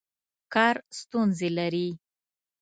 کار ستونزې لري.